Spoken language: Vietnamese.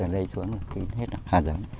rồi đây xuống là kín hết hà giống